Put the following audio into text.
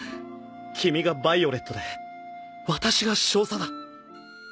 君がヴァイオレットで私が少佐だ。